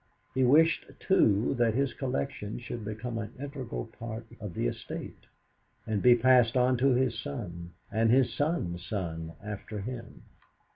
He wished, too, that his collection should become an integral part of the estate, and be passed on to his son, and his son's son after him.